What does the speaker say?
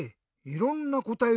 いろんなこたえ？